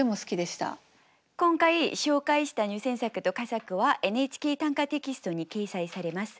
今回紹介した入選作と佳作は「ＮＨＫ短歌」テキストに掲載されます。